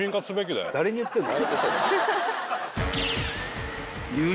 誰に言ってんだ。